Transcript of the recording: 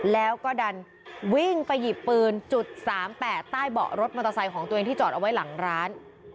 แล้วก็ดันวิ่งไปหยิบปืนจุด๓๘ใต้เบาะรถมอเตอร์ไซค์ของตัวเองที่จอดเอาไว้หลังร้าน